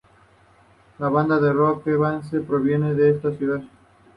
La banda de Rock Evanescence proviene de esta ciudad.